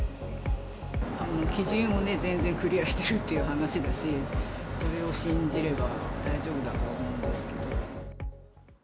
基準を全然クリアしてるっていう話だし、それを信じれば大丈夫だと思うんですけど。